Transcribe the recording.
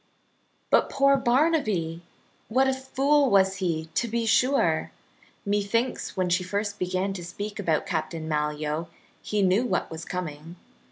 But, poor Barnaby! what a fool was he, to be sure! Methinks when she first began to speak about Captain Malyoe he knew what was coming.